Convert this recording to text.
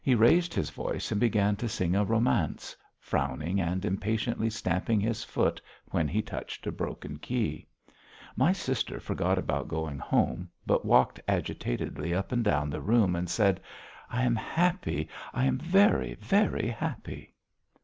He raised his voice and began to sing a romance, frowning and impatiently stamping his foot when he touched a broken key. My sister forgot about going home, but walked agitatedly up and down the room and said: "I am happy! I am very, very happy!"